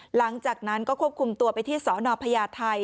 หลังจากนั้นก็ควบคุมตัวไปที่สนพญาไทย